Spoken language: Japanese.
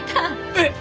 えっ！？